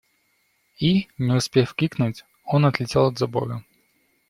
И, не успев крикнуть, он отлетел от забора.